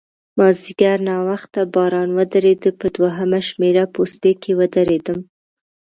مازیګر ناوخته باران ودرېد، په دوهمه شمېره پوسته کې ودرېدم.